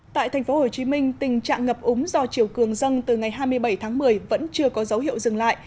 tại tp hcm tình trạng ngập úng do chiều cường dâng từ ngày hai mươi bảy tháng một mươi vẫn chưa có dấu hiệu dừng lại